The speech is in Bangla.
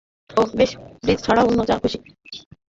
ওহ, বে ব্রিজ ছাড়া অন্য যা খুশি।